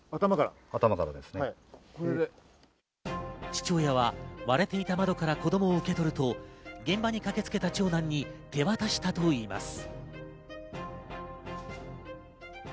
父親は割れていた窓から子供を受け取ると、現場に駆けつけた長男に手渡したといいます。